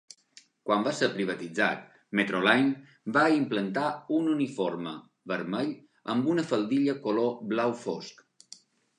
Quan va ser privatitzat, Metroline va implantar un uniforme vermell amb una faldilla color blau fosc.